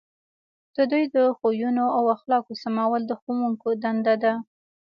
د دوی د خویونو او اخلاقو سمول د ښوونکو دنده ده.